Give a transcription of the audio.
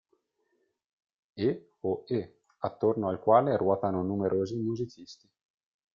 E o E, attorno al quale ruotano numerosi musicisti.